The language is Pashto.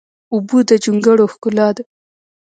اوبه د جونګړو ښکلا ده.